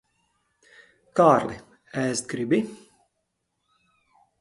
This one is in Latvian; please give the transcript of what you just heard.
Kārli, ēst gribi?